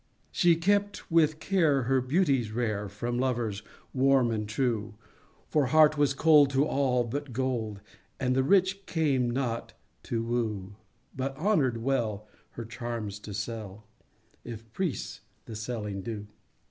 She kept with care her beauties rare From lovers warm and true— For heart was cold to all but gold, And the rich came not to won, But honor'd well her charms to sell. If priests the selling do.